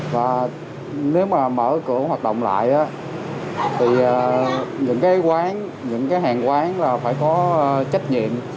và nếu mà mở cửa hoạt động lại thì những cái quán những cái hàng quán là phải có trách nhiệm